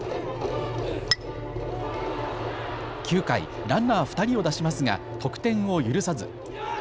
９回、ランナー２人を出しますが得点を許さず。